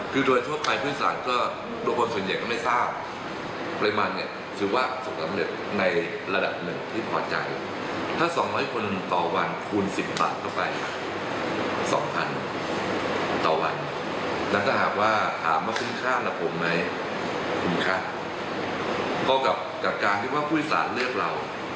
คุณคะกาการด้วยผู้อินสารเลือกเรา